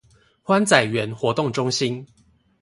歡仔園活動中心